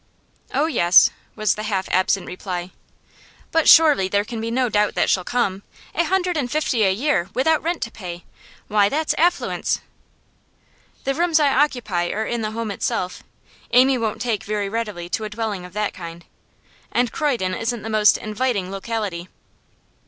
'Oh yes,' was the half absent reply. 'But surely there can be no doubt that she'll come. A hundred and fifty a year, without rent to pay. Why, that's affluence!' 'The rooms I might occupy are in the home itself. Amy won't take very readily to a dwelling of that kind. And Croydon isn't the most inviting locality.